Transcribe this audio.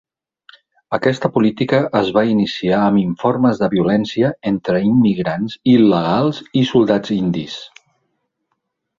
Aquesta política es va iniciar amb informes de violència entre immigrants il·legals i soldats indis.